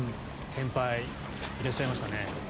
先輩いらっしゃいましたね。